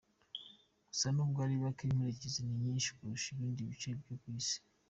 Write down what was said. Gusa nubwo ari bake inkurikizi ni nyinshi kurusha ibindi bice byo ku isi.